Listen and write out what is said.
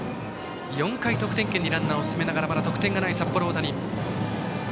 ４回、得点圏にランナーを進めながらまだ得点がない札幌大谷。